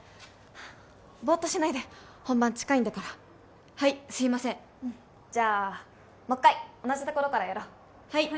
ボーッとしないで本番近いんだからはいすいませんうんじゃあもう一回同じところからやろうはい！